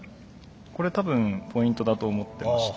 これ多分ポイントだと思ってまして。